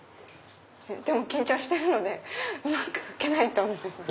緊張してるのでうまく描けないと思います。